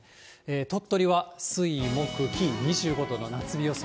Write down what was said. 鳥取は水、木、金、２５度の夏日予想。